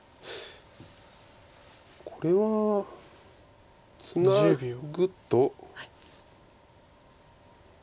これはツナぐと。